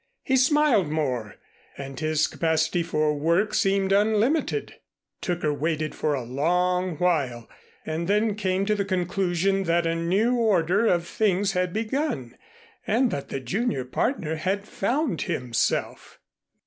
He smiled more, and his capacity for work seemed unlimited. Tooker waited for a long while, and then came to the conclusion that a new order of things had begun and that the junior partner had found himself.